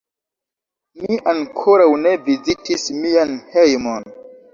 Mi ankoraŭ ne vizitis mian hejmon.